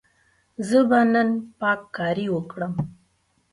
زه به نن پاککاري وکړم.